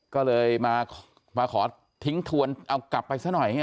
ก็เลยมาขอทิ้งทวนเอากลับไปซะหน่อย